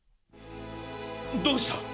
どうした？